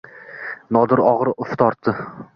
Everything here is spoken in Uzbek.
Nodir og‘ir uf tortdi.